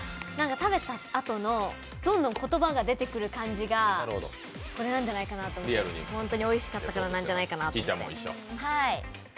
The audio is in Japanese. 食べたあとのどんどん言葉が出てくる感じがこれなんじゃないかなと思って本当においしかったからなんじゃないかなと思って。